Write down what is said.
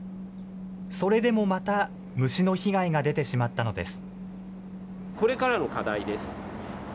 それでもまた、虫の被害が出てしまったのです。